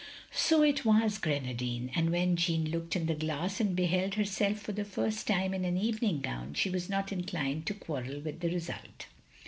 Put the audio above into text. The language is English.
So it was grenadine, and when Jeanne looked in the glass and beheld herself for the first time in an evening gown, she was not inclined to quarrel with the result.